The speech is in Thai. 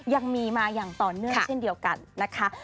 ยังมีมาอย่างต่อเนื่องเช่นเดียวกันนะคะ